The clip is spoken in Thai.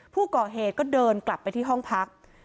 ผู้ก่อเหตุก็เดินกลับไปที่ห้องพัก